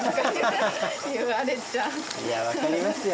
いやわかりますよ